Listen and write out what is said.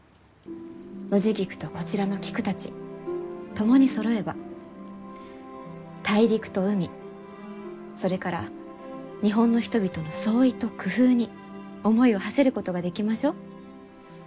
ノジギクとこちらの菊たち共にそろえば大陸と海それから日本の人々の創意と工夫に思いをはせることができましょう。